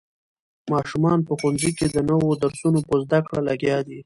ماشومان په ښوونځي کې د نوو درسونو په زده کړه لګیا دي.